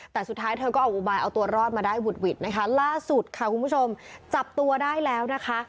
แต่สุดท้ายเธอก็ออกอุบายเอาตัวรอดมาได้หุดหวิดนะคะล่าสุดค่ะคุณผู้ชมจับตัวได้แล้วนะคะ